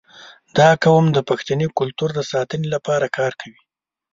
• دا قوم د پښتني کلتور د ساتنې لپاره کار کوي.